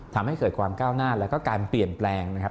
ทำให้เกิดความก้าวหน้าแล้วก็การเปลี่ยนแปลงนะครับ